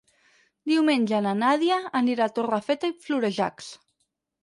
Diumenge na Nàdia anirà a Torrefeta i Florejacs.